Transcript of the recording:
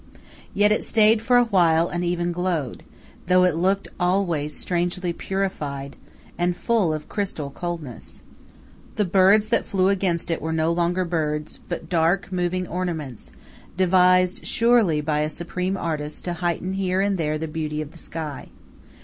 Yet it stayed for a while and even glowed, though it looked always strangely purified, and full of a crystal coldness. The birds that flew against it were no longer birds, but dark, moving ornaments, devised surely by a supreme artist to heighten here and there the beauty of the sky.